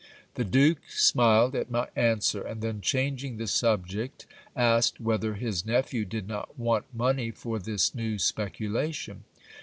The duke smiled at my answer ; and then changing the subject, asked whether his nephew did not want money for this new speculation.